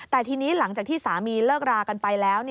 แต่ทีนี้หลังจากที่สามีเลิกรากันไปแล้ว